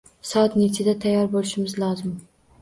Soat nechiga tayyor bo'lishimiz lozim?